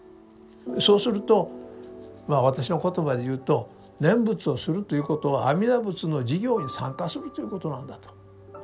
そうするとまあ私の言葉で言うと念仏をするということは「阿弥陀仏の事業に参加する」ということなんだと。